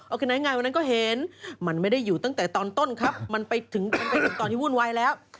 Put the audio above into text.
เอาคืนนั้นไงวันนั้นก็เห็นมันไม่ได้อยู่ตั้งแต่ตอนต้นครับมันไปถึงตอนที่วุ่นวายแล้ว